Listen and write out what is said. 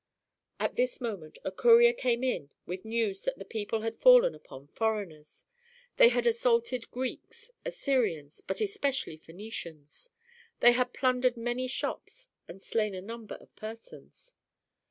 At this moment a courier came in with news that the people had fallen upon foreigners. They had assaulted Greeks, Assyrians, but especially Phœnicians. They had plundered many shops and slain a number of persons.